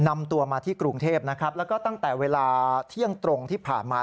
นำตัวมาที่กรุงเทพนะครับแล้วก็ตั้งแต่เวลาเที่ยงตรงที่ผ่านมา